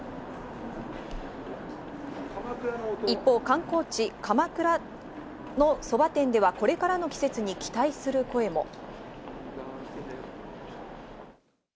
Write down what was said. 一方、観光地・鎌倉のそば店ではこれからの季節に期待する声も。